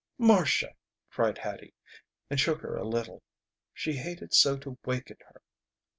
"Marcia," cried Hattie, and shook her a little. She hated so to waken her.